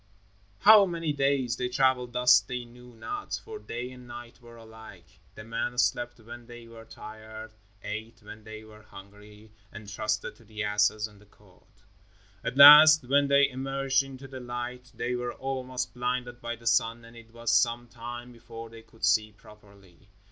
How many days they traveled thus they knew not, for day and night were alike. The men slept when they were tired, ate when they were hungry and trusted to the asses and the cord. At last when they emerged into the light they were almost blinded by the sun, and it was some time before they could see properly.